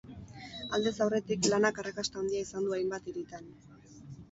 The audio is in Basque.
Aldez aurretik, lanak arrakasta handia izan du hainbat hiritan.